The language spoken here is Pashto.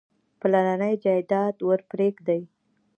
پلرنی جایداد ورپرېږدي.